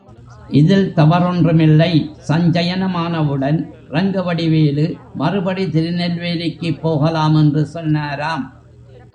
இதில் தவறொன்மில்லை, சஞ்சயனம் ஆனவுடன் ரங்கவடிவேலு மறுபடி திருநெல்வேலிக்குப் போகலாம் என்று சொன்னாராம்.